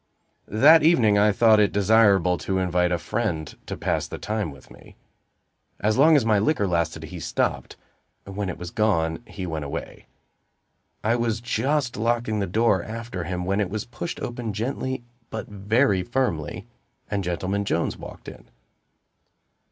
That evening I thought it desirable to invite a friend to pass the time with me. As long as my liquor lasted he stopped; when it was gone, he went away. I was just locking the door after him, when it was pushed open gently, but very firmly, and Gentleman Jones walked in.